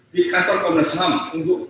di kantor komnas ham tunggu